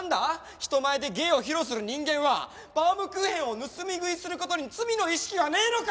人前で芸を披露する人間はバウムクーヘンを盗み食いする事に罪の意識はねえのか！？